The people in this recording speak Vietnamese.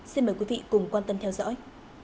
xin mời quý vị cùng quan tâm theo dõi